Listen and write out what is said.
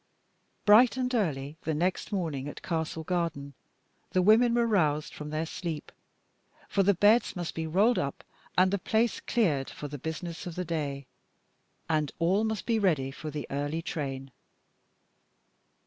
Bright and early the next morning at Castle Garden the women were roused from their sleep, for the beds must be rolled up, and the place cleared for the business of the day, and all must be ready for the early train.